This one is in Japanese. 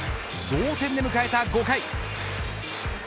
同点で迎えた５回。